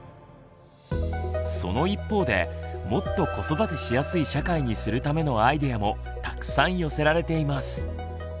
その一方でもっと子育てしやすい社会にするためのアイデアもたくさん寄せられています。